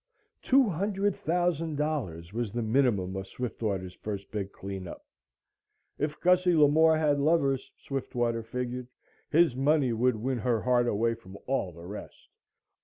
Two hundred thousand dollars was the minimum of Swiftwater's first big clean up. If Gussie Lamore had lovers, Swiftwater figured, his money would win her heart away from all the rest.